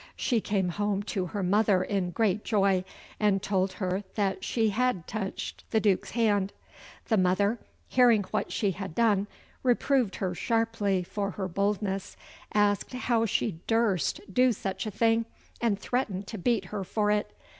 She came home to her mother in great joy, and told her that she had touched the Duke's hand. The mother, hearing what she had done, reproved her sharply for her boldness, asked how she durst do such a thing, and threatened to beat her for it.